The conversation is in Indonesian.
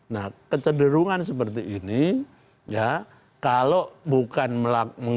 nah kecederungan seperti ini ya kalau bukan menggunakan kekerasan sebetulnya cukup sehat